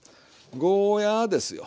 ゴーヤーですよ。